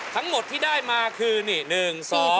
ทั้งหมดที่ได้มาคือนี่๑๒